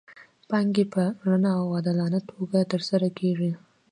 ټاکنې په رڼه او عادلانه توګه ترسره کیږي.